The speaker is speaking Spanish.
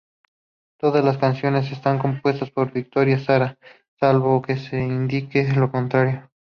Todas las canciones están compuestas por Víctor Jara, salvo que se indique lo contrario.